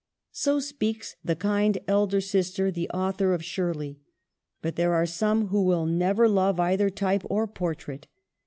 x So speaks the kind elder sister, the author of ' Shirley.' But there are some who will never love either type or portrait.